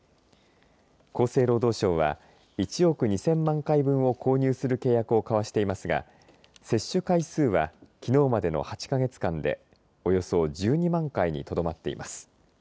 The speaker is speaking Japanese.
厚生労働省は１億２０００万回分を購入する契約を交わしていますが接種回数はきのうまでの８か月間でおよそ１２万回にとどまっています。